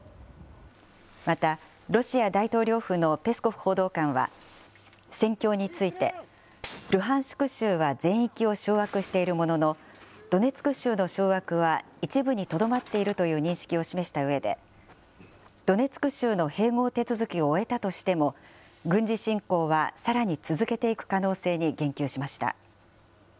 また、ロシア大統領府のペスコフ報道官は戦況について、ルハンシク州は全域を掌握しているものの、ドネツク州の掌握は一部にとどまっているという認識を示したうえで、ドネツク州の併合手続きを終えたとしても、軍事侵攻はさらに続けていく可能性に言及しました。